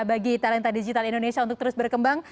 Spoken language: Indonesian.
bagi talenta digital indonesia untuk terus berkembang